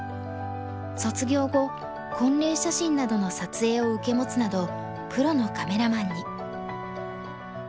卒業後婚礼写真などの撮影を受け持つなどプロのカメラマンに。